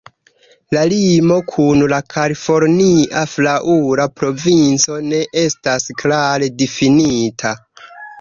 La limo kun la Kalifornia Flaŭra Provinco ne estas klare difinita.